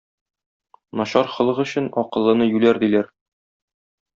Начар холык өчен акыллыны юләр диләр.